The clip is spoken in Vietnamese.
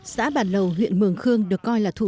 xã bản lầu huyện mường khương được coi là thủ